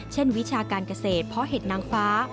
เช่นวิชาการเกษตรเพ้อเหตุนางฟ้า